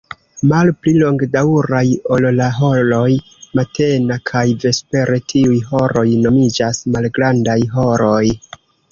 Malpli longdaŭraj ol la "horoj" matena kaj vespere, tiuj "horoj" nomiĝas malgrandaj "horoj".